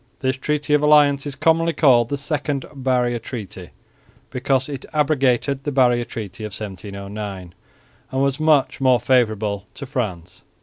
This treaty of alliance is commonly called the Second Barrier Treaty, because it abrogated the Barrier Treaty of 1709, and was much more favourable to France.